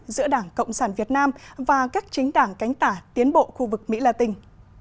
giữa đảng cộng sản việt nam và các chính đảng cánh tả tiến bộ khu vực mỹ la tình